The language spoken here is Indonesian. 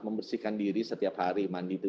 membersihkan diri setiap hari mandi itu